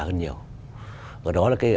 hơn nhiều và đó là cái